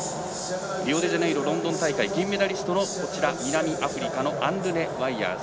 リオデジャネイロロンドン大会、金メダリストの南アフリカのアンルネ・ワイヤーズ。